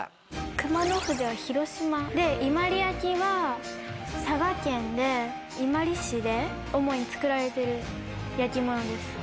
熊野筆は広島で伊万里焼は佐賀県で伊万里市で主に作られてる焼き物です。